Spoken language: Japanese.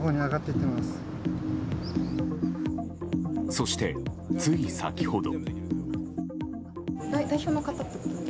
そして、つい先ほど。